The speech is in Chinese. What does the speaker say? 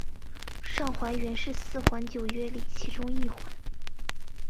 上环原是四环九约里其中一环。